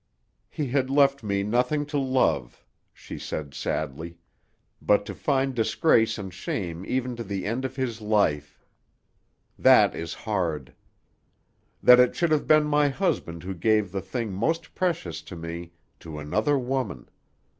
"He had left me nothing to love," she said sadly; "but to find disgrace and shame even to the end of his life! That is hard. That it should have been my husband who gave the thing most precious to me to another woman!